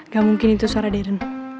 gak mungkin itu suara darren